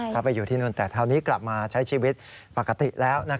ถ้าไปอยู่ที่นู่นแต่คราวนี้กลับมาใช้ชีวิตปกติแล้ว